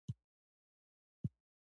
دا دواړه د طبیعي رنګ لرونکي نباتات دي.